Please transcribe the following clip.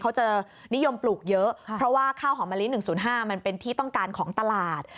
เขาจะนิยมปลูกเยอะเพราะว่าข้าวหอมมะลิ๑๐๕มันเป็นที่ต้องการของตลาด